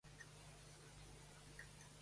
El Melrosada la torna a fer callar?